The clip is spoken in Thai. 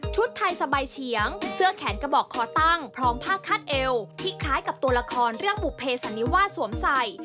ไทยสบายเฉียงเสื้อแขนกระบอกคอตั้งพร้อมผ้าคาดเอวที่คล้ายกับตัวละครเรื่องบุภเพสันนิวาสสวมใส่